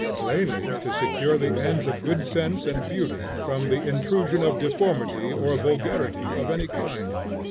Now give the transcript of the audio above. Plainly to secure the ends of good sense and beauty, from the intrusion of deformity or vulgarity of any kind.